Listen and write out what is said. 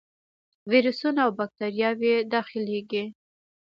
ویروسونه او باکتریاوې داخليږي.